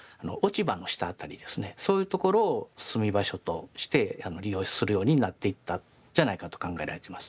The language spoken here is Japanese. そういうところを住み場所として利用するようになっていったんじゃないかと考えられてます。